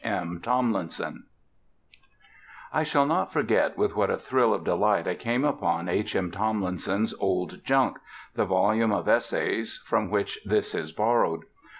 M. TOMLINSON I shall not forget with what a thrill of delight I came upon H. M. Tomlinson's Old Junk, the volume of essays from which this is borrowed.